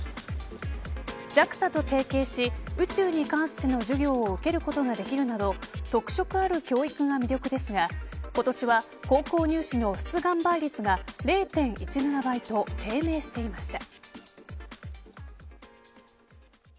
ＪＡＸＡと提携し宇宙に関しての授業を受けることができるなど特色ある教育が魅力ですが今年は高校入試の出願倍率が０．１７倍と低迷していました。